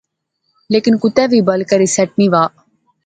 لیکن کوتے وی بل کری سیٹ نی وہا